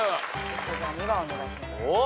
じゃあ２番お願いします。